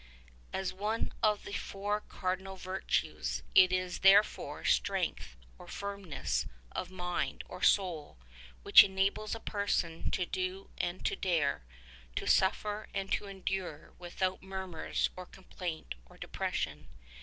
As one of the four cardinal virtues it is therefore strength or firmness of mind or soul which enables a person to do and to dare, to suffer and to endure without murmurs or complaint or depression.